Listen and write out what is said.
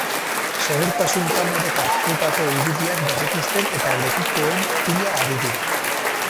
Segurtasun kamerek hartutako irudiak berrikusten eta lekukoen bila ari dira.